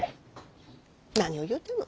何を言うてんの！